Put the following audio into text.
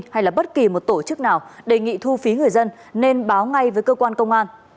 hay là bất kỳ một tổ chức nào đề nghị thu phí người dân nên báo ngay với cơ quan công an